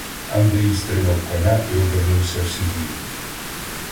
Андрій стримав коня і обернувся в сідлі.